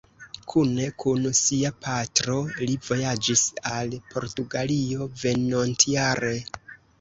Kune kun sia patro, li vojaĝis al Portugalio venontjare.